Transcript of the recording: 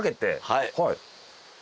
はい。